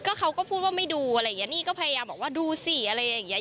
ก็เขาก็พูดว่าไม่ดูอะไรอย่างเงี้นี่ก็พยายามบอกว่าดูสิอะไรอย่างเงี้